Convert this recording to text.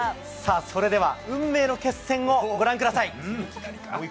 それでは運命の決戦をご覧ください。